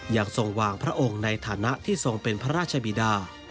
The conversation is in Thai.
ยังทรงวางพระองค์ในฐานะที่ทรงเป็นพระราชบิดา